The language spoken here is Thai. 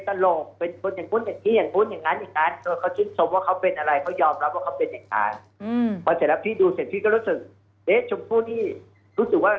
เธอสองคนให้ฉันพูดทุกเศษเธอแม้ฉันพูดเลยพี่หนุ่มหมดจำ